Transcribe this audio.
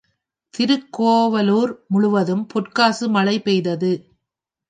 திருக்கோவலூர் முழுதும் பொற்காசு மழை பெய்தது.